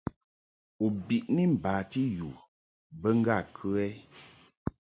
U bi mbati yu bə ŋgâ kə ɛ?